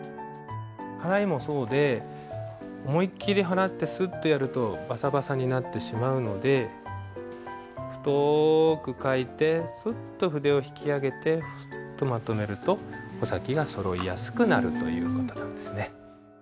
払いもそうで思いっきり払ってスッとやるとバサバサになってしまうので太く書いてフッと筆を引き上げてフッとまとめると穂先がそろいやすくなるという事なんですね。